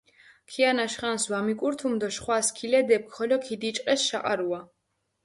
ქიანაშ ხანს ვამიკურთუმჷ დო შხვა სქილედეფქ ხოლო ქიდიჭყეს შაყარუა.